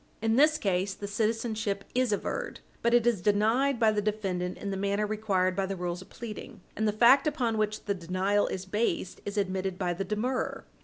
In this case, the citizenship is averred, but it is denied by the defendant in the manner required by the rules of pleading, and the fact upon which the denial is based is admitted by the demurrer.